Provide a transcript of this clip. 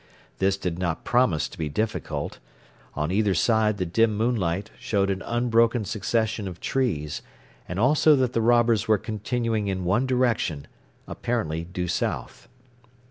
This did not promise to be difficult. On either side the dim moonlight showed an unbroken succession of trees, and also that the robbers were continuing in one direction apparently due south.